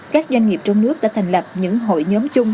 các doanh nghiệp trong nước đã thành lập những hội nhóm chung